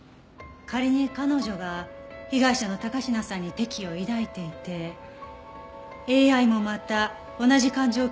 仮に彼女が被害者の高階さんに敵意を抱いていてＡＩもまた同じ感情を共有していたとすれば。